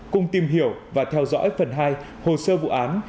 cùng tìm hiểu và theo dõi phần hai hồ sơ vụ án